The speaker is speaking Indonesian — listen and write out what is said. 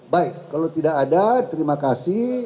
baik kalau tidak ada terima kasih